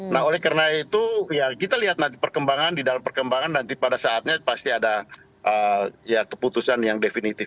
nah oleh karena itu ya kita lihat nanti perkembangan di dalam perkembangan nanti pada saatnya pasti ada ya keputusan yang definitif